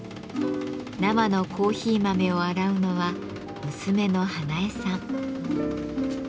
生のコーヒー豆を洗うのは娘の英会さん。